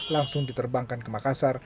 langsung diterbangkan ke makassar